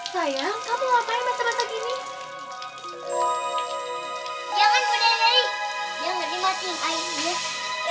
sayang kamu ngapain mata mata gini jangan berdiri jangan dimasing airnya